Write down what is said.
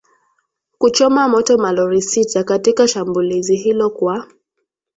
kuchoma moto malori sita katika shambulizi hilo kwa